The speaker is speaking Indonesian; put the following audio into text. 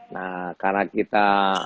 nah karena kita